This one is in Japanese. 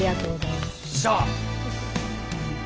よっしゃ。